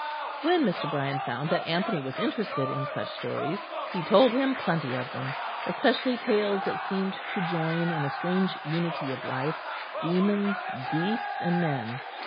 When Mr. Brian found that Anthony was interested in such stories, he told him plenty of them; especially tales that seemed to join in a strange unity of life, demons, beasts and men.